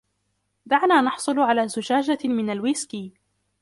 دعنا نحصل على زجاجة من الويسكي.